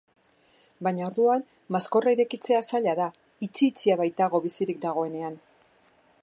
Baina, orduan, maskorra irekitzea zaila da, itxi-itxia baitago bizirik dagoenean.